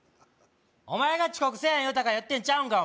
お前が遅刻せえへん言うたからやってんちゃうんか？